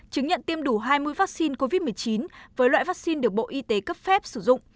chứng nhận tiêm đủ hai mươi vaccine covid một mươi chín với loại vaccine được bộ y tế cấp phép sử dụng